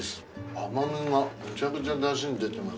甘みがめちゃくちゃ出汁に出てます。